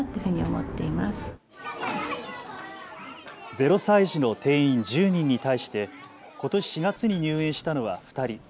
０歳児の定員１０人に対してことし４月に入院したのは２人。